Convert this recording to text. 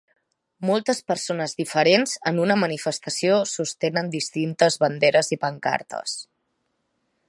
Moltes persones diferents en una manifestació sostenen distintes banderes i pancartes.